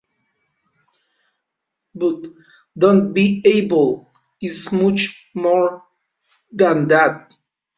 But "Don't be evil" is much more than that...